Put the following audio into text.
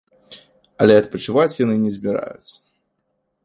Але адпачываць яны не збіраюцца.